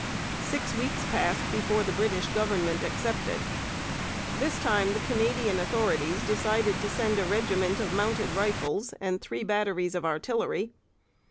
Six weeks passed before the British Government accepted. This time the Canadian authorities decided to send a regiment of Mounted Rifles and three batteries of artillery.